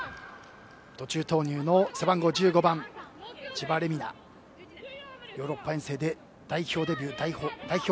途中投入の背番号１５番の千葉玲海菜がヨーロッパ遠征で代表デビュー代表